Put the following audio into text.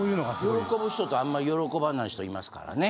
喜ぶ人とあんまり喜ばない人いますからね。